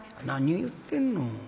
「何を言ってるの。